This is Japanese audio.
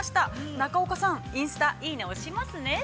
中岡さん、インスタ、いいね押しますね。